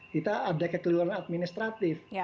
kita ada ketuluran administratif